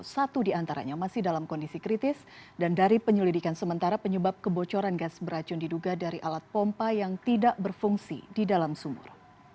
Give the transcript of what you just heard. satu di antaranya masih dalam kondisi kritis dan dari penyelidikan sementara penyebab kebocoran gas beracun diduga dari alat pompa yang tidak berfungsi di dalam sumur